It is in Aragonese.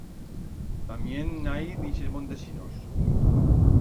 Tamién n'hai d'ixes montesinos.